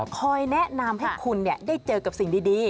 คอยแนะนำให้คุณได้เจอกับสิ่งดี